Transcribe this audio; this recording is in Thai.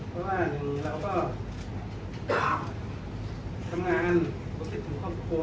เพราะว่าหนึ่งเราก็ทำงานรู้สึกถึงครอบครัว